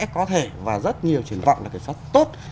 có thể và rất nhiều triển vọng là kiểm soát tốt